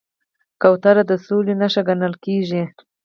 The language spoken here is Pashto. کوتره د سولې نښه ګڼل کېږي.